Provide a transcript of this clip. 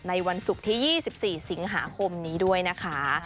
วันศุกร์ที่๒๔สิงหาคมนี้ด้วยนะคะ